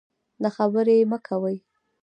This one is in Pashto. د خبرې مه کوئ.